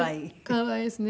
可愛いですね。